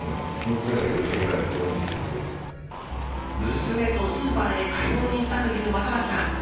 娘とスーパーへ買い物に行ったという的場さん。